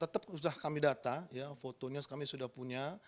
petani sayuran tetap kami data fotonya kami sudah punya